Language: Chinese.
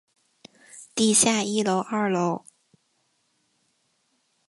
地下一楼二楼